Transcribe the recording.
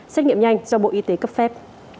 xét nghiệm nhanh do bộ y tế cấp phép